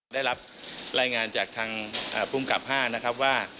ได้รับรายงานจากทางภูมิกับ๕นะครับว่า